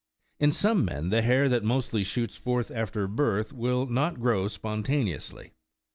In some men the hair that mostly shoots forth after birth will not grow spontane ously.